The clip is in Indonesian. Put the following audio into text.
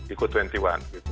ikut dua puluh satu